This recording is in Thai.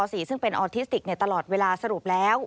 ซึ่งเป็นออทิสติกตลอดเวลาสรุปแล้ว